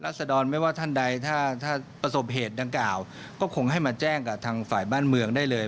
สดรไม่ว่าท่านใดถ้าประสบเหตุดังกล่าวก็คงให้มาแจ้งกับทางฝ่ายบ้านเมืองได้เลย